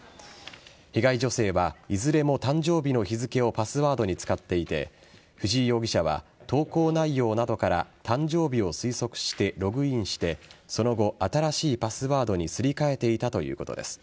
被害女性はいずれも誕生日の日付をパスワードに使っていて藤井容疑者は投稿内容などから誕生日を推測してログインしてその後新しいパスワードにすりかえていたということです。